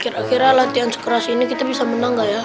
kira kira latihan sekeras ini kita bisa menang gak ya